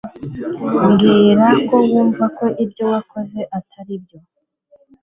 Mbwira ko wumva ko ibyo wakoze atari byo